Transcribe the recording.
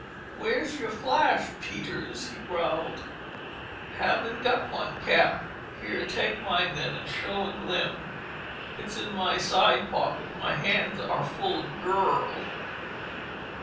"Where's your flash, Peters?" he growled. "Haven't got one, Cap." "Here—take mine, then, and show a glim. It's in my side pocket. My hands are full of girl!"